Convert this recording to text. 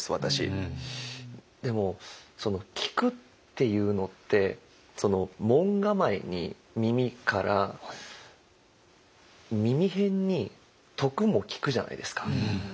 でも「聞く」っていうのって門構えに「耳」から耳偏に「徳」も「聴く」じゃないですか。